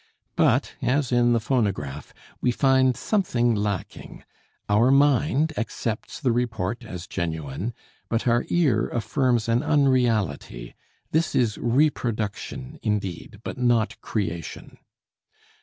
But, as in the phonograph, we find something lacking; our mind accepts the report as genuine, but our ear affirms an unreality; this is reproduction, indeed, but not creation.